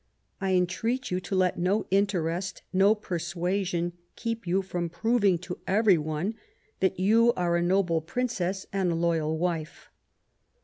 I entreat you to let no interest, no persuasion, keep you from proving to every one that you are a noble Princess and a loyal wife."